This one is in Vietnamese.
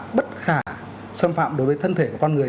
bất khả xâm phạm đối với thân thể của con người